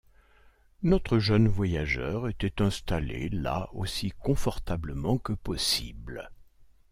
Notre jeune voyageur était installé là aussi confortablement que possible.